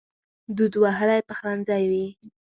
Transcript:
دود وهلی پخلنځی وي